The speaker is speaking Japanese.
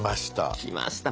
きました。